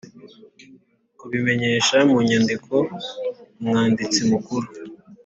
kubimenyesha mu nyandiko Umwanditsi Mukuru